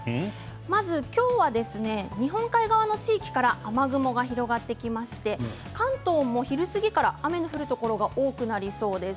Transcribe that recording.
まず今日は日本海側の地域から雨雲が広がってきまして関東も昼過ぎから雨が降るところが多くなりそうです。